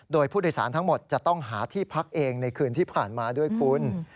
โดยผู้โดยสารทั้งหมดจะต้องหาที่พักเองในคืนที่ผ่านมาด้วยคุณ